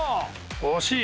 惜しい。